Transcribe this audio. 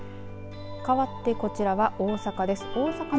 かわって、こちらは大阪です。